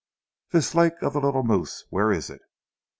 "This lake of the Little Moose, where is it?"